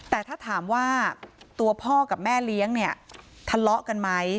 แต่ถ้าถามว่าตัวพ่อกับแม่เลี้ยงเนี่ยทะเลาะกันไหม